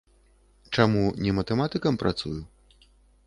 Чаму не матэматыкам працую?